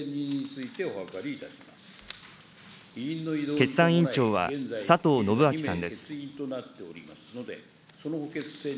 決算委員長は、佐藤信秋さんです。